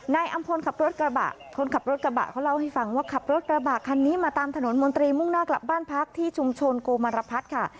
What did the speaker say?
อำพลขับรถกระบะคนขับรถกระบะเขาเล่าให้ฟังว่าขับรถกระบะคันนี้มาตามถนนมนตรีมุ่งหน้ากลับบ้านพักที่ชุมชนโกมรพัฒน์ค่ะ